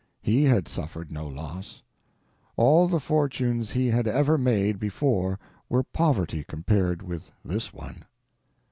He had suffered no loss. All the fortunes he had ever made before were poverty compared with this one.